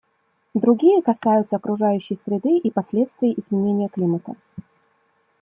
Другие касаются окружающей среды и последствий изменения климата.